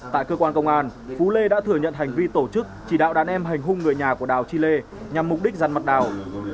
tại cơ quan công an phú lê đã thừa nhận hành vi tổ chức chỉ đạo đàn em hành hung người nhà của đào chi lê nhằm mục đích răn mặt đào